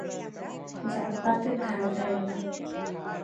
জাতপাতের ধার ধারি না।